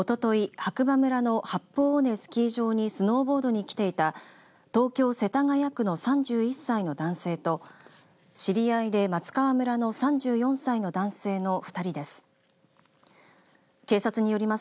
白馬村の八方尾根スキー場にスノーボードに来ていた東京、世田谷区の３１歳の男性と知り合いで松川村の３４歳の男性の２人です。